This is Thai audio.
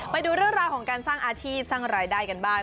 ไปดูเรื่องราวของการสร้างอาชีพสร้างรายได้กันบ้าง